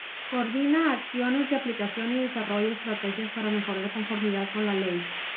Coordina acciones de aplicación y desarrolla estrategias para mejorar conformidad con la ley.